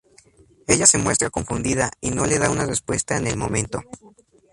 Ella se muestra confundida y no le da una respuesta en el momento.